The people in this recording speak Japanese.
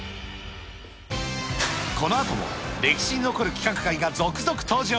このあとも歴史に残る規格外が続々登場。